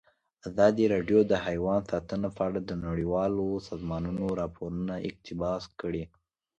ازادي راډیو د حیوان ساتنه په اړه د نړیوالو سازمانونو راپورونه اقتباس کړي.